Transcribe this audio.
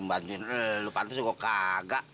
bantuin lu pantas gua kagak